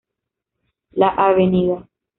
La Av.